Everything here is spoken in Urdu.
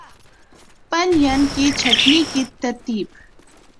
پن ین کی چھٹنی کی ترتیب